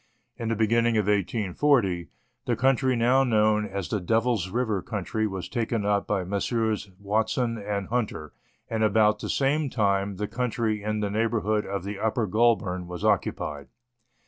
In the beginning of 1840, the country now known as the Devil's River country was taken up by Messrs. Watson and Hunter ; and about the same time the country in the neighbour hood of the Upper Goulburn was occupied.